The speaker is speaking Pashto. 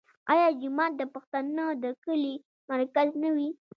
آیا جومات د پښتنو د کلي مرکز نه وي؟